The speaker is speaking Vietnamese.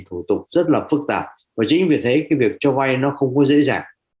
thủ tục rất là phức tạp và chính vì thế cái việc cho vay nó không có dễ dàng